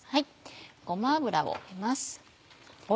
ごま油を入れます。